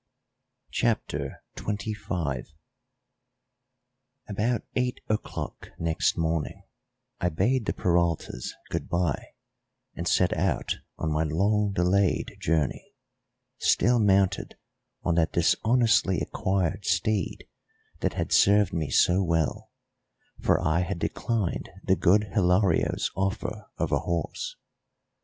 CHAPTER XXV About eight o'clock next morning I bade the Peraltas goodbye, and set out on my long delayed journey, still mounted on that dishonestly acquired steed that had served me so well, for I had declined the good Hilario's offer of a horse.